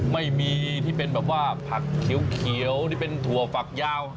ไม่มีที่เป็นแบบว่าผักเขียวนี่เป็นถั่วฝักยาว